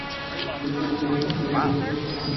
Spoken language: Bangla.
মেয়েদের চুলে যে রকম বেণী থাকে, সে রকম বেণী-করা।